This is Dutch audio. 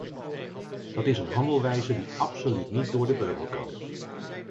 Dat is een handelwijze die absoluut niet door de beugel kan.